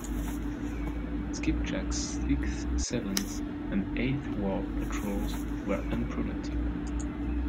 "Skipjack"'s sixth, seventh, and eighth war patrols were unproductive.